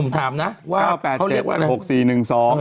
ถามพระครูเลยเหรอคะ